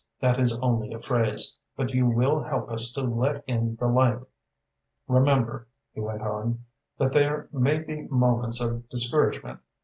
that is only a phrase, but you will help us to let in the light. Remember," he went on, "that there may be moments of discouragement.